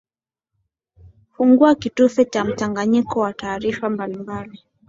fungua kitufe cha mchanganyiko wa taarifa mbalimbali